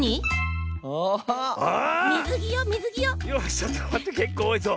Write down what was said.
ちょっとまってけっこうおおいぞ。